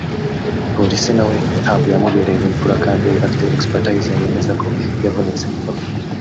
Polisi na we ntabwo yamubereye imfura kandi yari afite ‘expertise ‘yemeza ko yavunitse imbavu